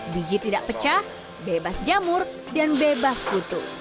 biji tidak pecah bebas jamur dan bebas kutu